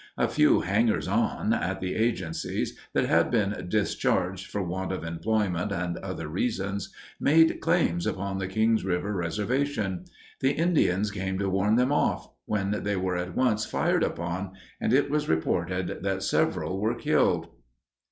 A few hangers on, at the agencies, that had been discharged for want of employment and other reasons, made claims upon the Kings River reservation; the Indians came to warn them off, when they were at once fired upon, and it was reported that several were killed.